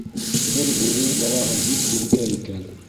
Бер Бүре балаһы бик иркә икән.